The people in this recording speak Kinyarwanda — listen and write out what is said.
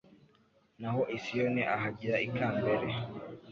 naho i Siyoni ahagira ikambere